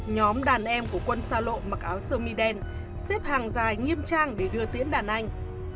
nhóm đàn em của quân xa lộ mặc áo sơ mi đen xếp hàng dài nghiêm trang để đưa tiễn đàn anh